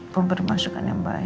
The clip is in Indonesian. pembermasukan yang baik